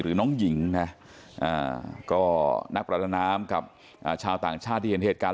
น้องหญิงนะก็นักประดาน้ำกับชาวต่างชาติที่เห็นเหตุการณ์